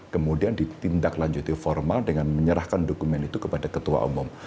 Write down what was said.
kemudian ditindaklanjuti formal dengan menyerahkan dokumen itu kepada ketua umum